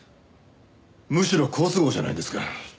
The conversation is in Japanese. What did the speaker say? むしろ好都合じゃないですか。